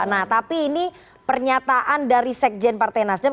nah tapi ini pernyataan dari sekjen partai nasdem